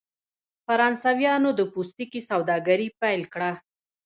فرانسویانو د پوستکي سوداګري پیل کړه.